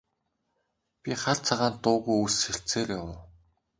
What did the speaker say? Би хар цагаан дуугүй ус ширтсээр явав.